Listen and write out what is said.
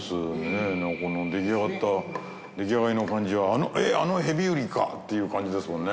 この出来上がった出来上がりの感じはえっあのヘビウリか！？っていう感じですもんね。